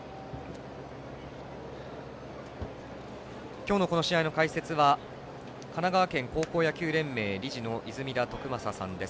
今日の試合の解説は神奈川県高校野球連盟理事の泉田徳正さんです。